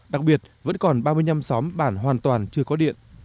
đặc biệt vẫn còn ba mươi năm xóm bản hoàn toàn chưa có điện